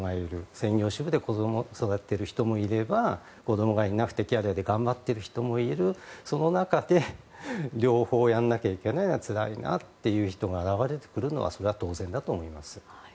専業主婦で子供を育てる人もいれば子供がいなくてキャリアで頑張っている人もいるその中で両方やらなきゃいけないつらいなという人が現れてくるのはそれは当然だと思います。